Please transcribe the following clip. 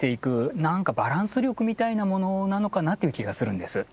なんかバランス力みたいなものなのかなという気がするんです。